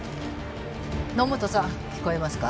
野本さん聞こえますか？